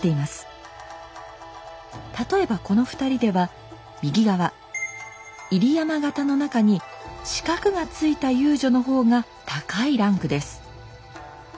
例えばこの２人では右側入山形の中に四角がついた遊女の方が高いランクです。